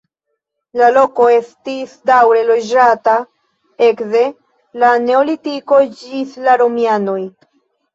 La loko estis daŭre loĝata ekde la neolitiko ĝis la romianoj.